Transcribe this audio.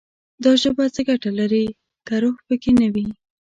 دا ژبه څه ګټه لري، که روح پکې نه وي»